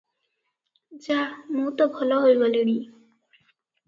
ଯା, ମୁଁ ତ ଭଲ ହୋଇଗଲିଣି ।"